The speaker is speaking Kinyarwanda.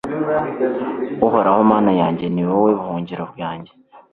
uhoraho mana yanjye, ni wowe buhungiro bwanjye